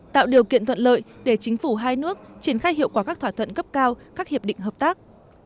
tạo điều kiện thuận lợi để chính phủ hai nước triển khai hiệu quả các thỏa thuận cấp cao các hiệp định hợp tác